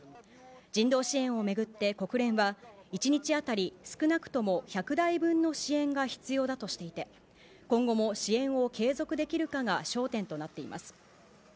人道支援を巡って国連は、１日当たり少なくとも１００台分の支援が必要だとしていて、今後も支援を継続できるかが焦点となっています。